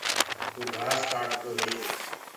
تو گھاس ڪآٽدو هي۔